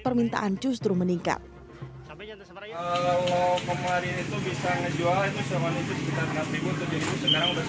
permintaan justru meningkat kalau kemarin itu bisa ngejual itu sama itu sekitar enam